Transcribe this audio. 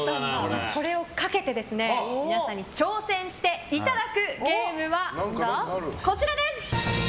これをかけて皆さんに挑戦していただくゲームはこちらです。